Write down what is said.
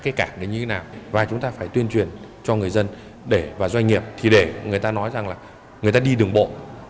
cái cảng đấy như thế nào và chúng ta phải tuyên truyền cho người dân để và doanh nghiệp thì để người ta nói rằng là người ta đi đường bộ